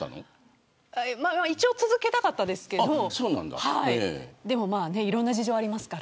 一応、続けたかったですけどまあ、いろんな事情ありますから。